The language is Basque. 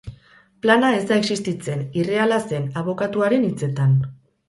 Plana ez da existitzen, irreala zen, abokatuaren hitzetan.